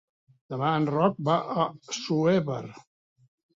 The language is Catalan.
Demà en Roc va a Assuévar.